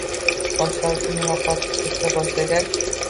Boshlovchi muloqotga kirisha boshlagach